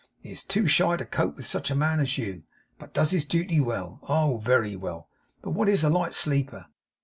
He is too shy to cope with such a man as you, but does his duty well. Oh, very well! But what is a light sleeper?